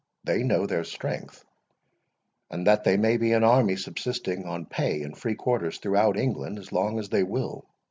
They know their strength, and that they may be an army subsisting on pay and free quarters throughout England as long as they will.